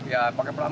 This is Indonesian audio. ya pakai pelabung